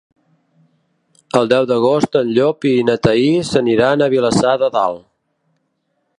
El deu d'agost en Llop i na Thaís aniran a Vilassar de Dalt.